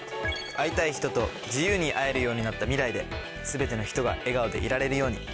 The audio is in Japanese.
会いたい人と自由に会えるようになった未来で全ての人が笑顔でいられるように。